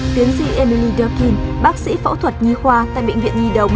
tiến sĩ emily durkin bác sĩ phẫu thuật nghi khoa tại bệnh viện nhi đồng